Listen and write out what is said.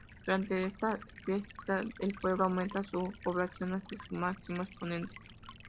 Durante esta fiesta el pueblo aumenta su población hasta su máximo exponente.